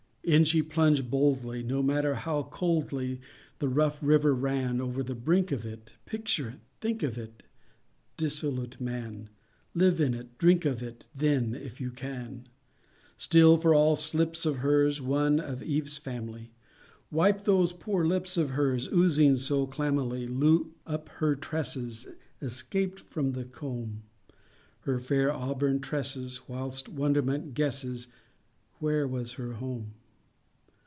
In she plunged boldly, No matter how coldly The rough river ran,— Over the brink of it, Picture it,—think of it, Dissolute Man! Lave in it, drink of it Then, if you can! Still, for all slips of hers, One of Eve's family— Wipe those poor lips of hers Oozing so clammily, Loop up her tresses Escaped from the comb, Her fair auburn tresses; Whilst wonderment guesses Where was her home?